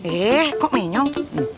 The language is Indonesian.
eh kok menyong